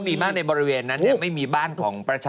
พระพุทธรูปสูงเก้าชั้นหมายความว่าสูงเก้าชั้น